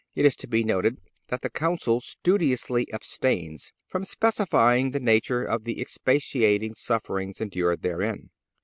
(281) It is to be noted that the Council studiously abstains from specifying the nature of the expiating sufferings endured therein.